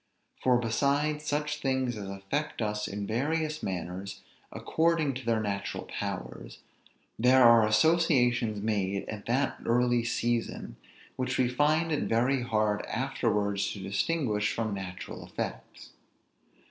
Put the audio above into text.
For besides such things as affect us in various manners, according to their natural powers, there are associations made at that early season, which we find it very hard afterwards to distinguish from natural effects.